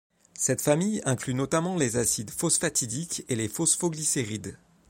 Cette famille inclut notamment les acides phosphatidiques et les phosphoglycérides.